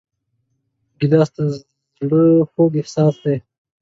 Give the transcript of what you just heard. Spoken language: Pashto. ګیلاس د زړه خوږ احساس دی.